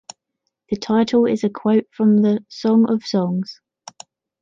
The title is a quote from the “Song of Songs”.